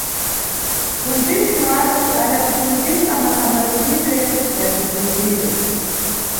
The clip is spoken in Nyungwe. Mʼpfundzisi wathu adatipfundzisa masamaliridwe ya bzizunguliro.